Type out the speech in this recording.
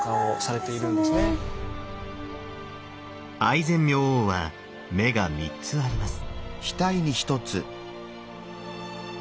愛染明王は目が３つあります。